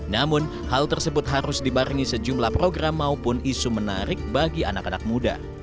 namun hal tersebut harus dibarengi sejumlah program maupun isu menarik bagi anak anak muda